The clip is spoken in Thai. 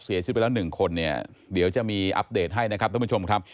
เสียชีวิตไปแล้วหนึ่งคนเนี่ยเดี๋ยวจะมีอัปเดตให้นะครับท่านผู้ชมครับ